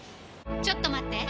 ちょっと待って！